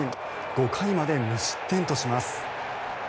５回まで無失点とします。